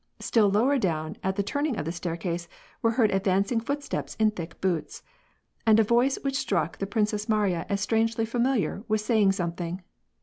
Still lower down at the turning of the staircase were heard advancing footsteps in thick boots. And a voice which struck the Princess Mariya as strangely familiar, was saying something.